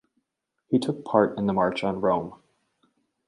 He took part in the March on Rome.